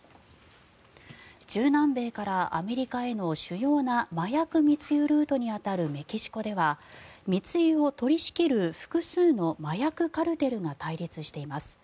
中南米からアメリカへの主要な麻薬密輸ルートに当たるメキシコでは密輸を取り仕切る複数の麻薬カルテルが対立しています。